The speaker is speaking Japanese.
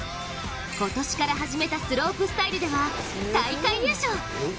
今年から始めたスロープスタイルでは、大会優勝。